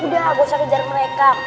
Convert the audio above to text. udah gak usah kejar mereka